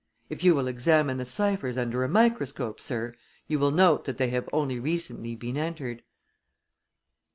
If you will examine the ciphers under a microscope, sir, you will note that they have only recently been entered."